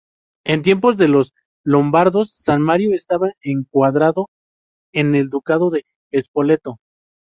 En tiempos de los lombardos San Marino estaba encuadrado en el Ducado de Spoleto.